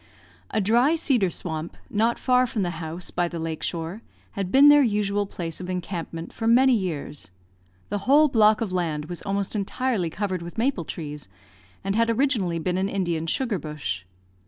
A dry cedar swamp, not far from the house, by the lake shore, had been their usual place of encampment for many years. The whole block of land was almost entirely covered with maple trees, and had originally been an Indian sugar bush.